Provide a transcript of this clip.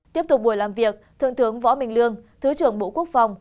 tiếp tục buổi làm việc thượng tướng võ minh lương thứ trưởng bộ quốc phòng